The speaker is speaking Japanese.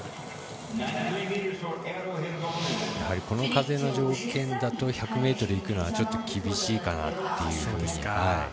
この風の条件だと１００ｍいくのはちょっと厳しいかなっていう。